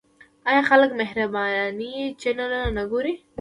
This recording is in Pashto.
آیا خلک بهرني چینلونه نه ګوري؟